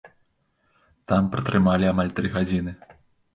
Там пратрымалі амаль тры гадзіны.